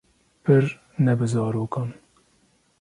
Pir ne bi zarokan